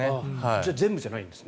じゃあ全部じゃないんですね。